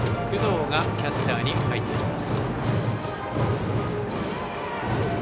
工藤が、キャッチャーに入っています。